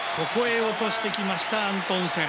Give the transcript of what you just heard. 落としてきましたアントンセン。